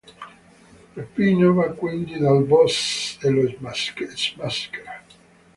Peppino va quindi dal boss e lo smaschera.